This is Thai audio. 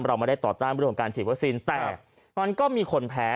เราไม่ได้ต่อต้านเรื่องของการฉีดวัคซีนแต่มันก็มีคนแพ้